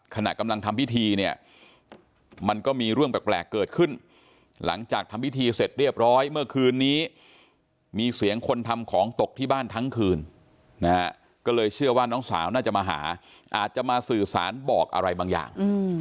ขณะกำลังทำพิธีเนี่ยมันก็มีเรื่องแปลกเกิดขึ้นหลังจากทำพิธีเสร็จเรียบร้อยเมื่อคืนนี้มีเสียงคนทำของตกที่บ้านทั้งคืนนะฮะก็เลยเชื่อว่าน้องสาวน่าจะมาหาอาจจะมาสื่อสารบอกอะไรบางอย่าง